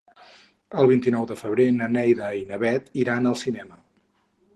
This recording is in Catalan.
El vint-i-nou de febrer na Neida i na Bet iran al cinema.